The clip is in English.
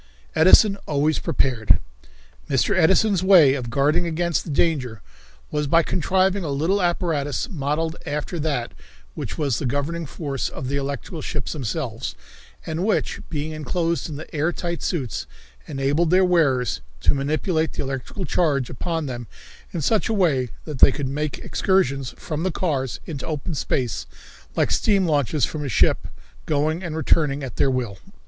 Edison Always Prepared. Mr. Edison's way of guarding against the danger was by contriving a little apparatus, modeled after that which was the governing force of the electrical ships themselves, and which, being enclosed in the air tight suits, enabled their wearers to manipulate the electrical charge upon them in such a way that they could make excursions from the cars into open space like steam launches from a ship, going and returning at their will.